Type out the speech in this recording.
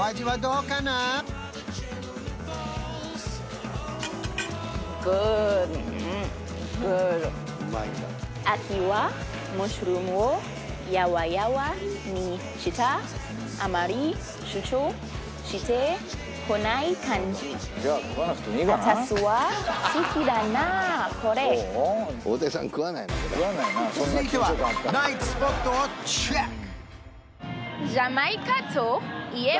うんグッド続いてはナイトスポットをチェック！